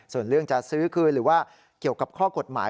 ส่วนเรื่องจะซื้อคืนหรือว่าเกี่ยวกับข้อกฎหมาย